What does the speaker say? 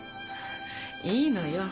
いいのよ